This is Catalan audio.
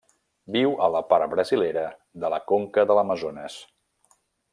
Viu a la part brasilera de la conca de l'Amazones.